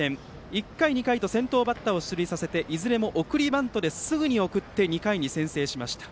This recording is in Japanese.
１回２回と先頭バッターを出塁させていずれも送りバントですぐに送って２回に先制しました。